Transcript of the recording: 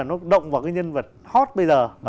nó động vào cái nhân vật hot bây giờ